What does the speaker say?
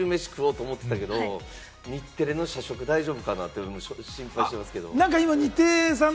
このあと昼飯、食おうと思ってたけれども、日テレの社食、大丈夫かな？って今、心配してるんですけれども。